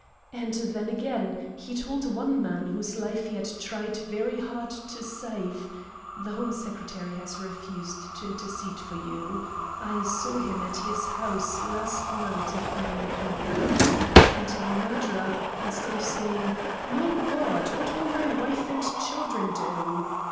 And then, again, he told one man whose life he had tried very hard to save: 'The Home Secretary has refused to intercede for you. I saw him at his house last night at nine o'clock.' And the murderer, instead of saying, 'My God! what will my wife and children do?'